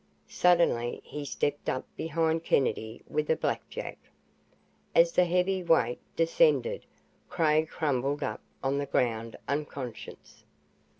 Suddenly he stepped up behind Kennedy with a blackjack. As the heavy weight descended, Craig crumpled up on the ground, unconscious.